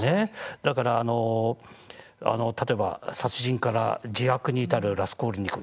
だから例えば殺人から自白に至るラスコーリニコフ。